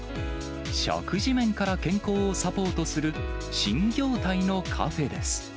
食事面から健康をサポートする新業態のカフェです。